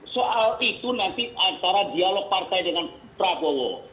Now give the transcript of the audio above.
soal itu nanti antara dialog partai dengan prabowo